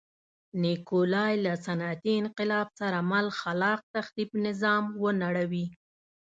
نیکولای له صنعتي انقلاب سره مل خلاق تخریب نظام ونړوي.